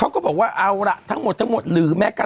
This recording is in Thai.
แล้วคนนั้นล่ะครับให้เป็นเบอร์๓